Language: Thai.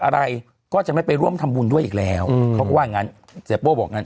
อะไรก็จะไม่ไปร่วมทำบุญด้วยอีกแล้วเขาก็ว่างั้นเสียโป้บอกงั้น